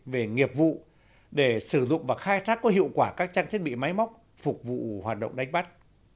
về nghiệp vụ để sử dụng và khai thác có hiệu quả các trang thiết bị máy móc phục vụ hoạt động đánh bắt